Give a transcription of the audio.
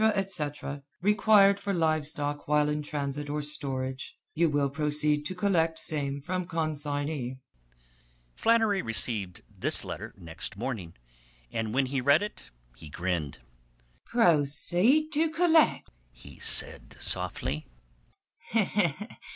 etc., required for live stock while in transit or storage. You will proceed to collect same from consignee." Flannery received this letter next morning, and when he read it he grinned. "Proceed to collect," he said softly.